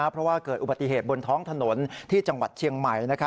เพราะว่าเกิดอุบัติเหตุบนท้องถนนที่จังหวัดเชียงใหม่